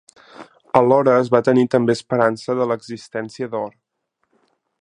Alhora es va tenir també esperança de l'existència d'or.